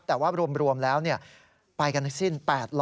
แต่ว่ารวมแล้วเนี่ยไปกันที่สิ้น